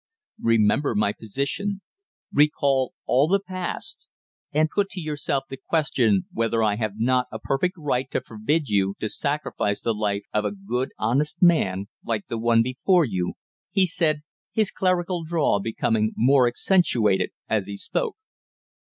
"Remember my position recall all the past, and put to yourself the question whether I have not a perfect right to forbid you to sacrifice the life of a good, honest man like the one before you," he said, his clerical drawl becoming more accentuated as he spoke.